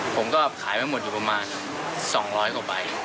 ผมก็ขายไปหมดอยู่ประมาณ๒๐๐กว่าใบ